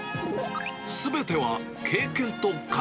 すべては経験と勘。